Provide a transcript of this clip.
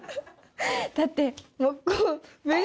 だって。